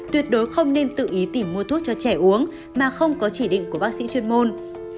tuyệt đối không nên tự ý tìm mua thuốc cho trẻ uống mà không có chỉ định của bác sĩ chuyên môn